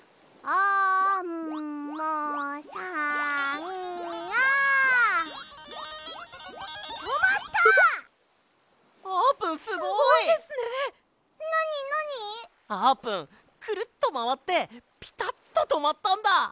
あーぷんくるっとまわってピタッととまったんだ！